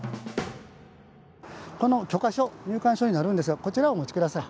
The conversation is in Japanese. この許可証入館証になるんですがこちらをお持ち下さい。